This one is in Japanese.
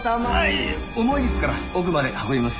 いえいえ重いですから奥まで運びます。